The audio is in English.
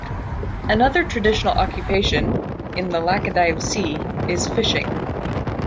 Another traditional occupation in the Laccadive Sea is fishing.